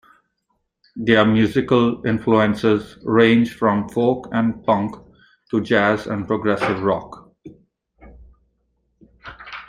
Their musical influences range from folk and punk to jazz and progressive rock.